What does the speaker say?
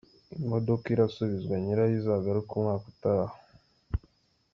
Imodoka irasubizwa nyirayo izagaruke umwaka utaha.